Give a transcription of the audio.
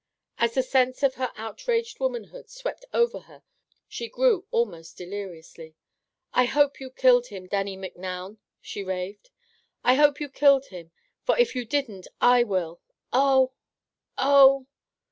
As the sense of her outraged womanhood swept over her she grew almost delirious. "I hope you killed him, Dannie Micnoun," she raved. "I hope you killed him, for if you didn't, I will. Oh! Oh!"